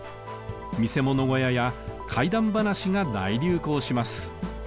見せ物小屋や怪談話が大流行します。